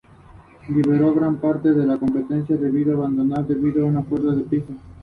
Creció y pasó su juventud en Harlem.